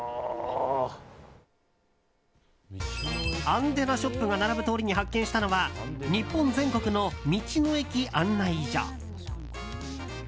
アンテナショップが並ぶ通りに発見したのは日本全国の道の駅案内所。